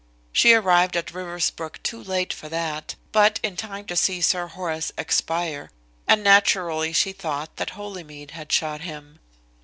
She arrived at Riversbrook too late for that, but in time to see Sir Horace expire, and naturally she thought that Holymead had shot him.